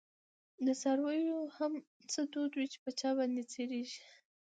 دڅارویو هم څه دود وی، چی په چا باندی خرڅیږی